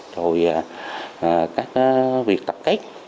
rồi các việc tập kết